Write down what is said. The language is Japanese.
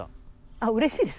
あっうれしいです